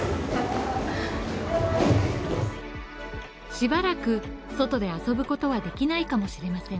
しばらく外で遊ぶことはできないかもしれません。